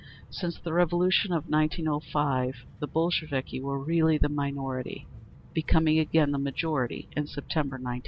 Since the Revolution of 1905 the Bolsheviki were really the minority, becoming again the majority in September, 1917.